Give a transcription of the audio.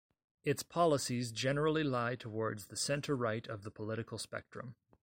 Its policies generally lie towards the centre-right of the political spectrum.